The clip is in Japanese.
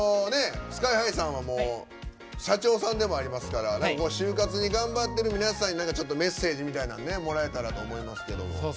ＳＫＹ‐ＨＩさんは社長さんでもありますから就活に頑張ってる皆さんにちょっとメッセージみたいなのもらえたらと思いますけど。